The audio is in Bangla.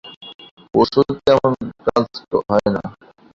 ওষুধে তেমন কাজ হয় না।